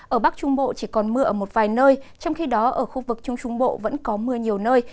ở bắc trung bộ chỉ còn mưa ở một vài nơi trong khi đó ở khu vực trung trung bộ vẫn có mưa nhiều nơi